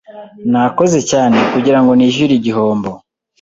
Nakoze cyane kugirango nishyure igihombo.